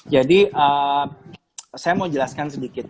jadi saya mau jelaskan sedikit